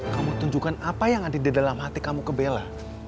kamu tunjukkan apa yang ada di dalam hati kamu ke bella